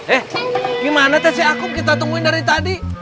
eh gimana teh si akum kita tungguin dari tadi